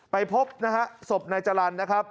ไปพบนะครับศพในจรรย์นะครับ